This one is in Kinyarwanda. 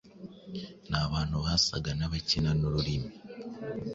ni abantu basaga n’abakina n’ururimi